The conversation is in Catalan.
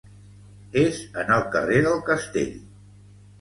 És en el carrer del Castell.